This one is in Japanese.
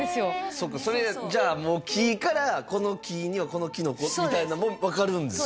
そっかそれじゃあもう木からこの木にはこのきのこみたいなのも分かるんですか？